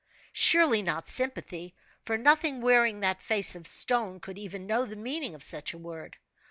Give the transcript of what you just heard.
Surely not sympathy, for nothing wearing that face of stone, could even know the meaning of such a word.